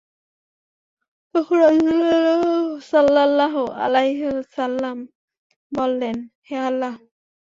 তখন রাসূলুল্লাহ সাল্লাল্লাহু আলাইহি ওয়াসাল্লাম বললেন, হে আল্লাহ!